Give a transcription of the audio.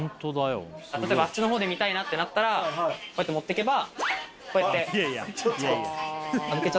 例えばあっちのほうで見たいなってなったらこうやって持ってけばこうやって。